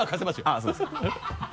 あっそうですか。